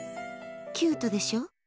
キュートでしょ。